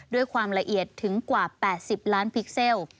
ด้วยความละเอียดถึงกว่า๘๐ล้านพิกเซล